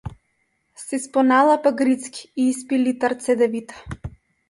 Се испоналапа грицки и испи литар цедевита.